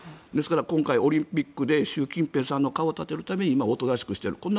ですから、今回、オリンピックで習近平さんの顔を立てるためにおとなしくしている。